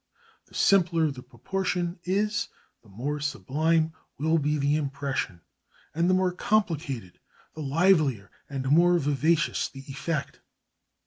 The simpler the proportion is, the more sublime will be the impression, and the more complicated, the livelier and more vivacious the effect.